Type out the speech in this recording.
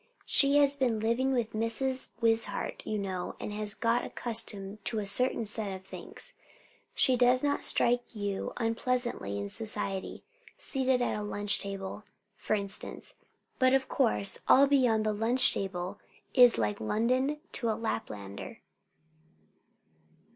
She has been living with Mrs. Wishart, you know, and has got accustomed to a certain set of things. She does not strike you unpleasantly in society, seated at a lunch table, for instance; but of course all beyond the lunch table is like London to a Laplander."